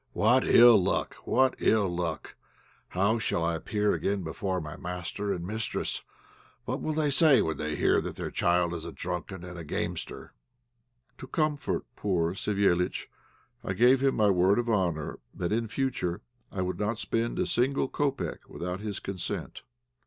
What ill luck! What ill luck! How shall I appear again before my master and mistress? What will they say when they hear that their child is a drunkard and a gamester?" To comfort poor Savéliitch, I gave him my word of honour that in future I would not spend a single kopek without his consent.